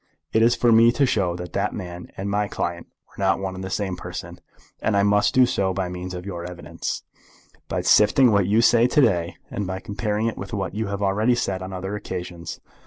It is for me to show that that man and my client were not one and the same person, and I must do so by means of your evidence, by sifting what you say to day, and by comparing it with what you have already said on other occasions.